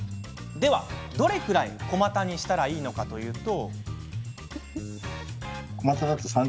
では、どのくらい小股にしたらいいかというと。